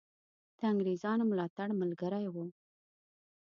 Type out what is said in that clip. د انګرېزانو ملاتړ ملګری وو.